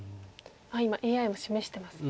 今ＡＩも示してますね。